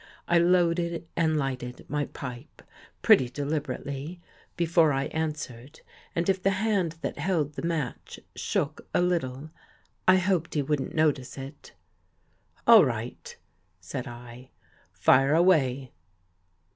I loaded and lighted my pipe pretty deliberately before I answered, and if the hand that held the match shook a little, I hoped he wouldn't notice it. " All right," said I. " Fire away."